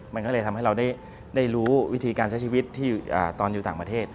มันก็เลยทำให้เราได้รู้วิธีการใช้ชีวิตที่ตอนอยู่ต่างประเทศ